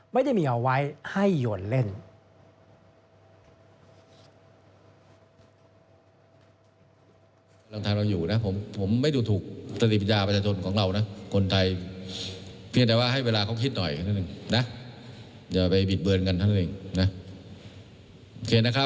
ไม่ได้มีเอาไว้ให้โยนเล่น